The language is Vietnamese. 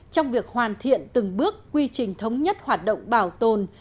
trong việc hoàn thiện từng bước quy trình thống nhất hoạt động bảo tồn